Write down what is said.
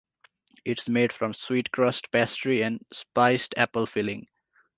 It's made from sweetcrust pastry and spiced apple filling.